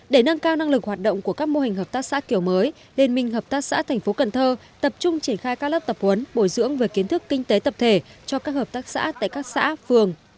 để nâng cao năng lực hoạt động của các mô hình hợp tác xã kiểu mới đền minh hợp tác xã tp cn tập trung triển khai các lớp tập huấn bồi dưỡng về kiến thức kinh tế tập thể cho các hợp tác xã tại các xã phường